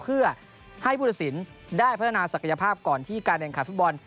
เพื่อให้ผู้ตัดสินได้พัฒนาศักยภาพก่อนที่การแข่งขันฟุตบอล